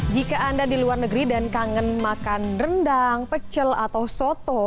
jika anda di luar negeri dan kangen makan rendang pecel atau soto